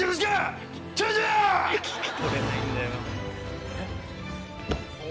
いや聞き取れないんだよな。